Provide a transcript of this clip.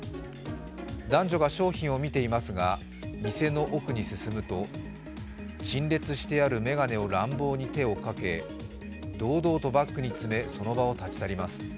男女が商品を見ていますが、店の奥に進むと陳列してある眼鏡を乱暴に手をかけ堂々とバッグに詰めその場を立ち去ります。